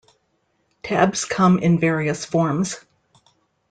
Tabs come in various forms.